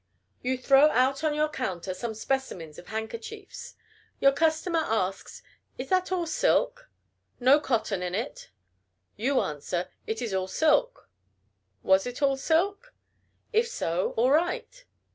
You throw out on your counter some specimens of handkerchiefs. Your customer asks, "Is that all silk? no cotton in it?" You answer, "It is all silk." Was it all silk? If so, all right.